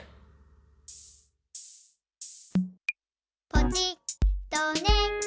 「ポチッとね」